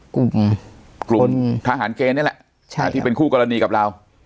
กลุ่มทหารเกณฑ์เนี้ยแหละใช่ครับที่เป็นคู่กรณีกับเรา